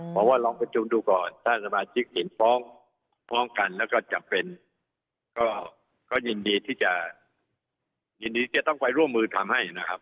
บอกว่าลองประชุมดูก่อนถ้าสมาธิกษภองกันแล้วก็จะเป็นก็ยินดีที่จะต้องไปร่วมมือทำให้นะครับ